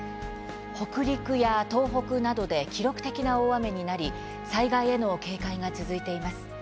北陸や東北などで記録的な大雨になり災害への警戒が続いています。